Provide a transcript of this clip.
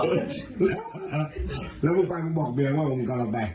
แล้วแล้วคุณป้ายคุณบอกเบียงว่ามันกำลังไป